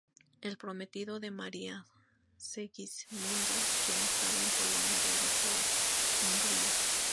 El prometido de María, Segismundo, quien estaba en Polonia, regresó a Hungría.